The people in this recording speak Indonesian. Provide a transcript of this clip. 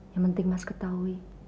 yang penting mas ketahui